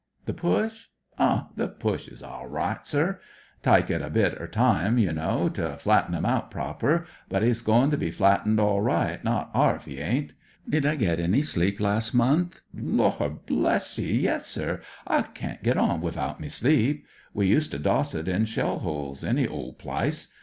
" The Push ? Oh, the Push is orWght, sir. Tike er bit er time, ye know, to flatten 'im out proper; but 'e's goin' to be flattened orlright; not arf, 'e ain't Did I get any sleep last month ? Lor' bless ye, yes, sir. I can't get on wivout me sleep. We used to doss it in shell holes ; any ole plice.